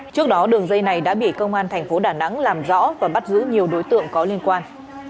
trước đó đường dây này đã bị công an thành phố đà nẵng làm rõ và bắt giữ nhiều đối tượng có liên quan